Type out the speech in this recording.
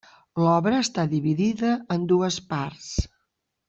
L'obra està dividida en dues parts.